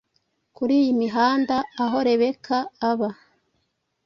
kuri iyi mihanda aho rebecca aba,